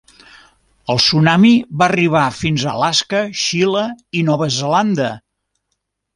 El tsunami va arribar fins a Alaska, Xile i Nova Zelanda.